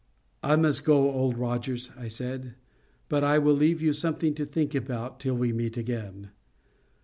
"I must go, Old Rogers," I said; "but I will leave you something to think about till we meet again.